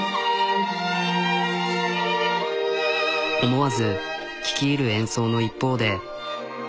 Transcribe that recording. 思わず聴き入る演奏の一方で。